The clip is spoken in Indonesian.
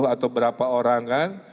tiga puluh atau berapa orang kan